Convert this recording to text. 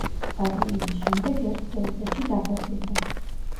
დაბრუნების შემდეგ ერთ წელიწადში დაქორწინდა.